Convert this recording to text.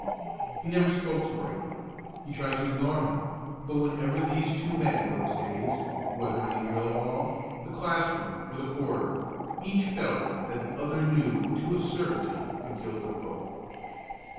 He never spoke to Brightly; he tried to ignore him; but whenever these two met in those days, whether in the drill hall, the classroom, or the corridor, each felt that the other knew to a certainty the guilt of both.